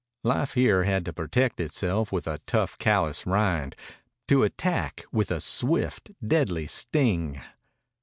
Life here had to protect itself with a tough, callous rind, to attack with a swift, deadly sting.